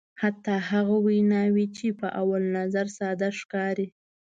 حتی هغه ویناوی چې په اول نظر ساده ښکاري.